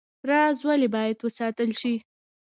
راز ولې باید وساتل شي؟